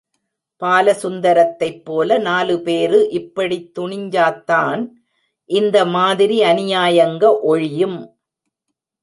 பாலசுந்தரத்தைப் போல நாலு பேரு இப்படித் துணிஞ்சாத்தான் இந்த மாதிரி அநியாயங்க ஒழியும்.